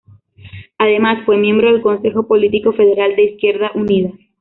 Además, fue miembro del Consejo Político Federal de Izquierda Unida.